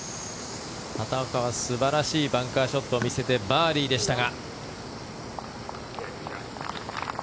畑岡は素晴らしいバンカーショットを見せてバーディーでしたが。